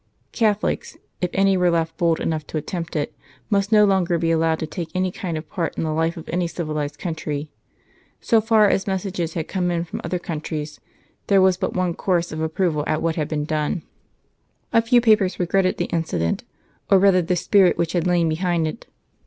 Catholics (if any were left bold enough to attempt it) must no longer be allowed to take any kind of part in the life of any civilised country. So far as messages had come in from other countries, there was but one chorus of approval at what had been done. A few papers regretted the incident, or rather the spirit which had lain behind it.